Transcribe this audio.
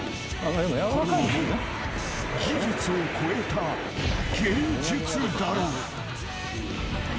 ［これはもう技術を超えた芸術だろう］